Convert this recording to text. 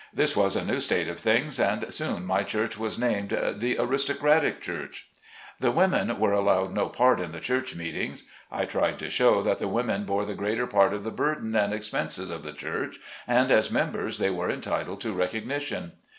This was a new state of things, and soon my church was named the " aristocratic church " The women were allowed no part in the church meetings. I tried to show that the women bore the greater part of the burden and expenses of the church, and as members they were entitled to recog nition.